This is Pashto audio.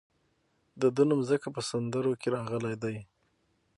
د ده نوم ځکه په سندرو کې راغلی دی.